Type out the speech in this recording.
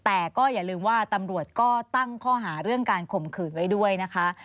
แต่ก็อย่าลืมว่าตำรวจก็ตั้งข้อหาเรื่องการข่มขืนไว้ด้วยนะคะ